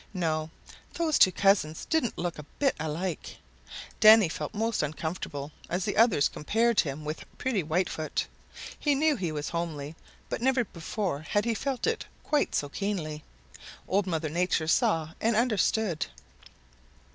No, those two cousins didn't look a bit alike. Danny felt most uncomfortable as the others compared him with pretty Whitefoot. He knew he was homely, but never before had he felt it quite so keenly. Old Mother Nature saw and understood.